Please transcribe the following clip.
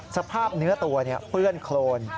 สภาพเนื้อตัวเปื้อนโครน